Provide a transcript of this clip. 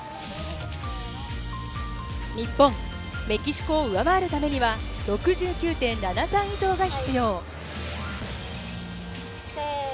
日本、メキシコを上回るためには、６９．７３以上が必要。